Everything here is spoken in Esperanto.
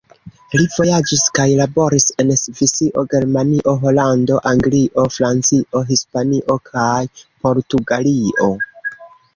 Li vojaĝis kaj laboris en Svisio, Germanio, Holando, Anglio, Francio, Hispanio kaj Portugalio.